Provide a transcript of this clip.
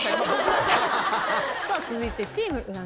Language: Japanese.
続いてチーム右團